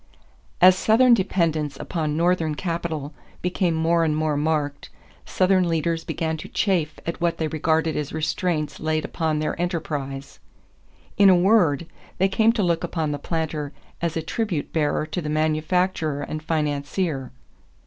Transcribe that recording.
= As Southern dependence upon Northern capital became more and more marked, Southern leaders began to chafe at what they regarded as restraints laid upon their enterprise. In a word, they came to look upon the planter as a tribute bearer to the manufacturer and financier.